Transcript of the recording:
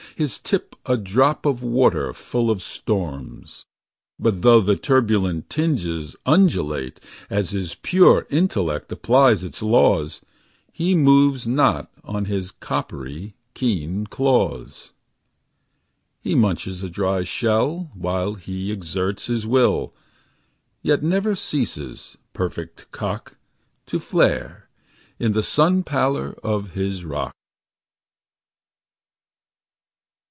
His tip a drop of water full of storms. But though the turbulent tinges undulate As his pure intellect applies its laws. He moves not on his coppery, keen claws. He munches a dry shell while he exerts His will, yet never ceases, perfect cock. To flare, in the sun pallor of his rock.